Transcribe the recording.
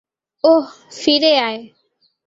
ওহ, ফিরে আয়।